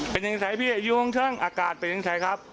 เป็นอย่างไรพี่อยู่ห้องช่างอากาศเป็นอย่างไรครับ